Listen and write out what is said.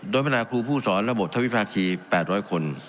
โดยบรรดาครูผู้สอนระบบทวิภาคี๘๐๐คน